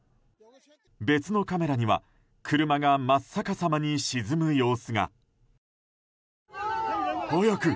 別のカメラには、車が真っ逆さまに沈む様子が。